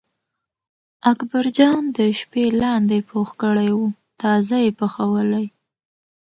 اکبرجان د شپې لاندی پوخ کړی و تازه یې پخولی.